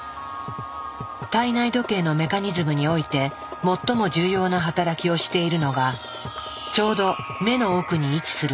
体内時計のメカニズムにおいて最も重要な働きをしているのがちょうど目の奥に位置する